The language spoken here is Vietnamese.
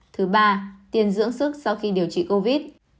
thứ ba tiên dưỡng sức sau khi điều trị covid